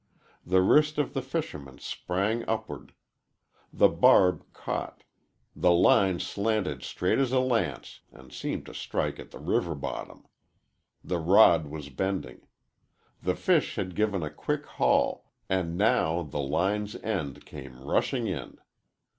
The wrist of the fisherman sprang upward. The barb caught; the line slanted straight as a lance and seemed to strike at the river bottom. The rod was bending. The fish had given a quick haul, and now the line's end came rushing in.